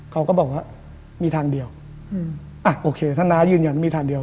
เขาก็บอกว่ามีทางเดียวท่านน้ายืนยันมีทางเดียว